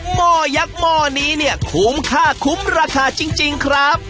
หม้อยักษ์หม้อนี้เนี่ยคุ้มค่าคุ้มราคาจริงครับ